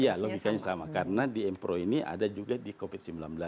iya logikanya sama karena di mpro ini ada juga di covid sembilan belas